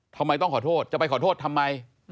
ทำไมต้องขอโทษจะไปขอโทษทำไม